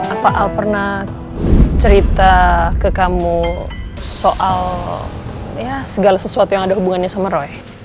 apa al pernah cerita ke kamu soal segala sesuatu yang ada hubungannya sama roy